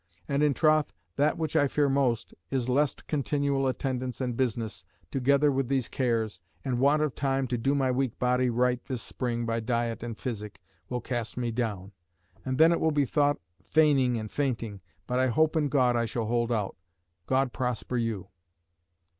And in troth that which I fear most is lest continual attendance and business, together with these cares, and want of time to do my weak body right this spring by diet and physic, will cast me down; and then it will be thought feigning or fainting. But I hope in God I shall hold out. God prosper you."